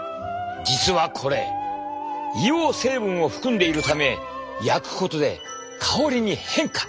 実はこれ硫黄成分を含んでいるため焼くことで香りに変化！